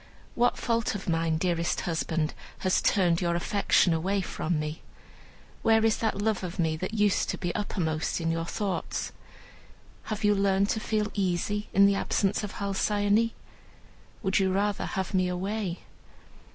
"What fault of mine, dearest husband, has turned your affection from me? Where is that love of me that used to be uppermost in your thoughts? Have you learned to feel easy in the absence of Halcyone? Would you rather have me away?"